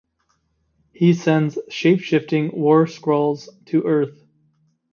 He sends shapeshifting Warskrulls to Earth.